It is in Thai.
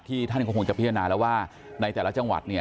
ที่ท่านคงคงจะพิจารณาแล้วว่าในแต่ละจังหวัด